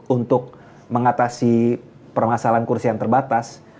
untuk mengatasi permasalahan kursi yang terbatas